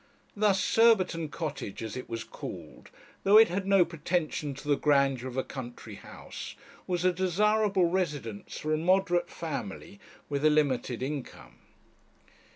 Thus Surbiton Cottage, as it was called, though it had no pretension to the grandeur of a country house, was a desirable residence for a moderate family with a limited income.